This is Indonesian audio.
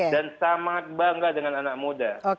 dan sangat bangga dengan anak muda